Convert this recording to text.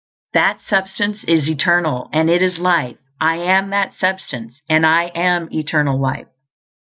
_ _That Substance is eternal, and it is Life; I am that Substance, and I am Eternal Life.